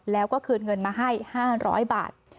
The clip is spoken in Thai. แล้วก็คืนเงินมาให้๕๐๐บาท